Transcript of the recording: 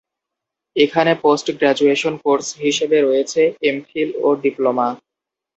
এখানে post graduation course হিসেবে রয়েছে এমফিল ও ডিপ্লোমা।